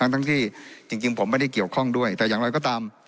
ทั้งที่จริงผมไม่ได้เกี่ยวข้องด้วยแต่อย่างไรก็ตาม